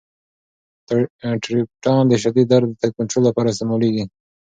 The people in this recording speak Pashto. ټریپټان د شدید درد د کنترول لپاره استعمالیږي.